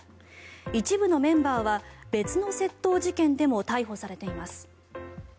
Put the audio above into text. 一部のメンバーは別の窃盗事件でも逮捕されています。